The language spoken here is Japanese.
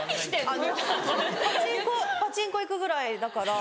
パチンコパチンコ行くぐらいだから。